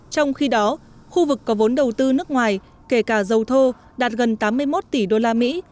trong khi đó khu vực có vốn đầu tư nước ngoài kể cả dầu thô đạt gần tám mươi một tỷ đô la mỹ